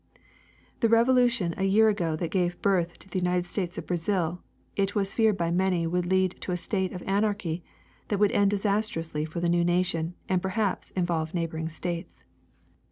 The revolution a year ago that gave birth to the United States of Brazil, it was feared by many would lead to a state of anarchy that would end disastrously to the new nation and perhaps in volve neighboring states.